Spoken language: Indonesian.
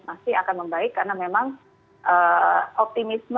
masih akan membaik karena memang optimisme